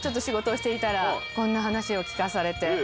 仕事をしていたらこんな話を聞かされて。